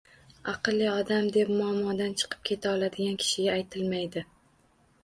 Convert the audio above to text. Aqlli odam deb muammodan chiqib keta oladigan kishiga aytilmaydi